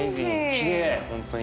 ．きれい本当に。